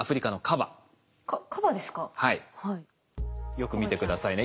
よく見て下さいね。